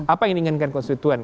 apa yang diinginkan konstituen